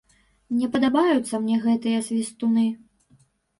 Не падабаюцца мне гэтыя свістуны.